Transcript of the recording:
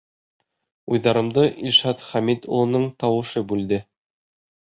— Уйҙарымды Илшат Хәмит улының тауышы бүлде.